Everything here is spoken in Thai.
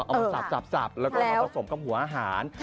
เอามาสับแล้วก็เอามาผสมกับหัวอาหาร